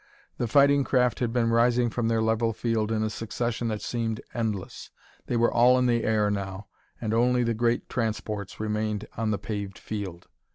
The fighting craft had been rising from their level field in a succession that seemed endless. They were all in the air now, and only the great transports remained on the paved field.